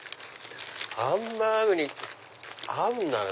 ハンバーグに合うんだね